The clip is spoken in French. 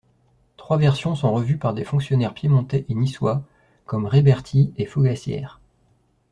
Trois versions sont revues par des fonctionnaires piémontais et niçois, comme Rayberti et Fogassières.